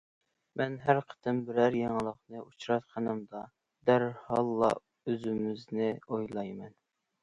مەن ھەر قېتىم بىرەر يېڭىلىقنى ئۇچراتقىنىمدا، دەرھاللا ئۆزىمىزنى ئويلايمەن.